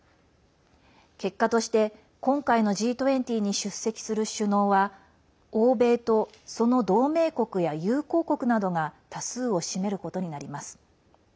結果として今回のＧ２０に出席する首脳は欧米と、その同盟国や友好国などが多数を占めることになります。